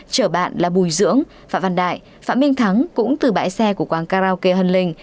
chở bạn là bùi dưỡng phạm văn đại phạm minh thắng cũng từ bãi xe của quán karaoke hân linh